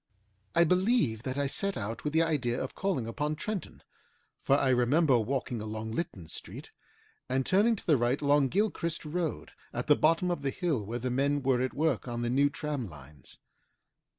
I believe that I set out with the idea of calling upon Trenton, for I remember walking along Lytton Street and turning to the right along Gilchrist Road at the bottom of the hill where the men were at work on the new tram lines.